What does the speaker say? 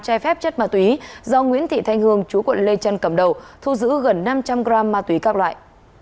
trái phép chất ma túy do nguyễn thị thanh hương chú quận lê trân cầm đầu thu giữ gần năm trăm linh g ma túy các loại